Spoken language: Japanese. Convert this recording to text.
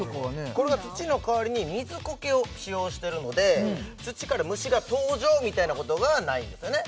これが土の代わりに水コケを使用してるので土から虫が登場みたいなことがないんですよね